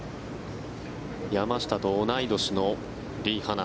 山下と同い年のリ・ハナ。